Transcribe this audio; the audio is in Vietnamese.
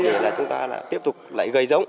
để là chúng ta lại tiếp tục lấy gầy giống